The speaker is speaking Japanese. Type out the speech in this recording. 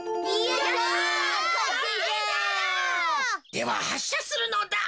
でははっしゃするのだ。